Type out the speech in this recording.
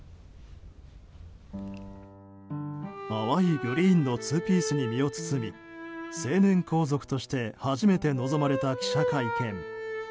淡いグリーンのツーピースに身を包み成年皇族として初めて臨まれた記者会見。